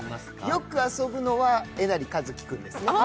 よく遊ぶのはえなりかずき君ですね。